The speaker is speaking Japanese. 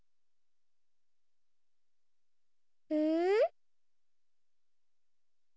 うん？